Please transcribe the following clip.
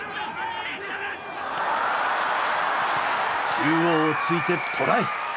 中央を突いてトライ！